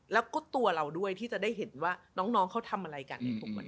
แล้วก็ตัวเราด้วยที่จะได้เห็นว่าน้องเขาทำอะไรกันในทุกวัน